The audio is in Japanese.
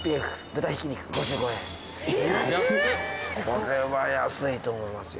これは安いと思いますよ。